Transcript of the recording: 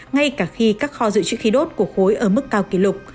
ngay cả khi các kho dự trữ khí đốt của khối ở mức cao kỷ lục